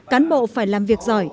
cán bộ phải làm việc giỏi